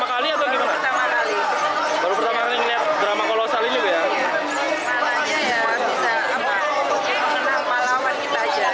baru pertama kali melihat drama kolosal ini ya